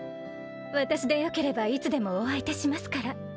私でよければいつでもお相手しますから。